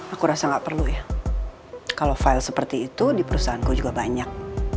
aku rasa gak perlu ya kalau file seperti itu di perusahaanku juga banyak